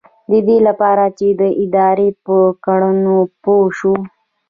ددې لپاره چې د ادارې په کړنو پوه شو.